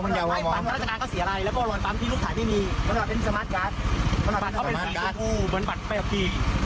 ขอบรรยาไปตีส่วนคู่เหมือนบัตรไกลพิ